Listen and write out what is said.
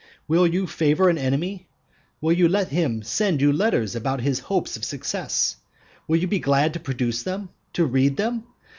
Will you favour an enemy? Will you let him send you letters about his hopes of success? Will you be glad to produce them? to read them?